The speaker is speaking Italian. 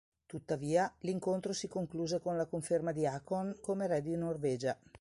Tuttavia, l'incontro si concluse con la conferma di Haakon come re di Norvegia.